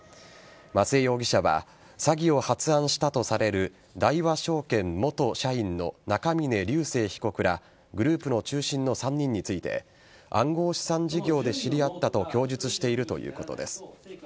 松江容疑者は詐欺を発案したとされる大和証券元社員の中峯竜晟被告らグループの中心の３人について暗号資産事業で知り合ったと供述しているということです。